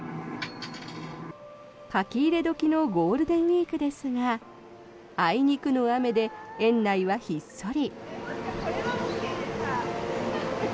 書き入れ時のゴールデンウィークですがあいにくの雨で園内はひっそり。